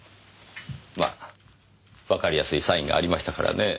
まあわかりやすいサインがありましたからねぇ。